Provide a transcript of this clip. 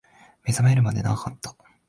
目覚めるまで長かった